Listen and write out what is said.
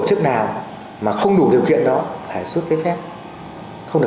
cứ là phần bó đã bị loại ra khỏi